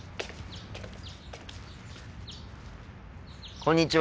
こんにちは。